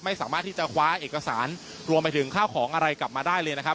ไม่สามารถที่จะคว้าเอกสารรวมไปถึงข้าวของอะไรกลับมาได้เลยนะครับ